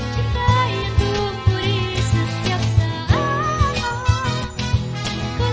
cinta yang tumbuh di setiap saat